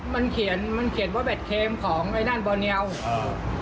มันเขียนมันเขียนว่าแบตเคมของไอ้นั่นบอเนียลอ่า